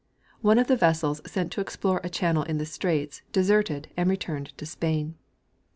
One of the vessels sent to explore a channel in the straits deserted and returned to Spain.